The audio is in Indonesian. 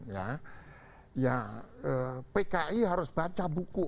ya pki harus baca buku